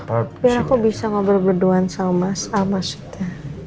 biar aku bisa ngobrol berdua sama suta